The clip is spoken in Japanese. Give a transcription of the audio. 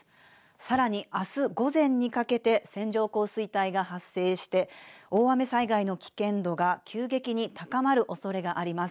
さらにあす午前にかけて線状降水帯が発生して大雨災害の危険度が急激に高まるおそれがあります。